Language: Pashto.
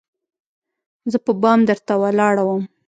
زه په بام درته ولاړه وم